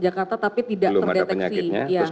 di jakarta tapi tidak terdeteksi